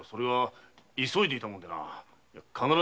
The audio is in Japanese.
急いでいたものだから。